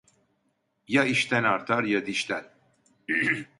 Ya işten artar, ya dişten…